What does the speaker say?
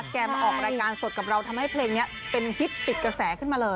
มาออกรายการสดกับเราทำให้เพลงนี้เป็นฮิตติดกระแสขึ้นมาเลย